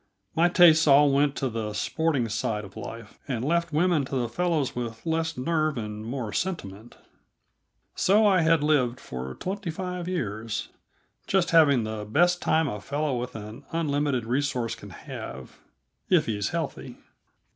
My tastes all went to the sporting side of life and left women to the fellows with less nerve and more sentiment. So I had lived for twenty five years just having the best time a fellow with an unlimited resource can have, if he is healthy.